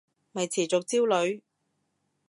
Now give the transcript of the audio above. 咪持續焦慮